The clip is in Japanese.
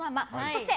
そして